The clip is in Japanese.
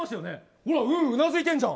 ほら、うなずいてるじゃん。